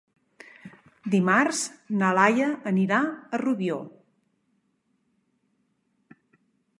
Dimarts na Laia anirà a Rubió.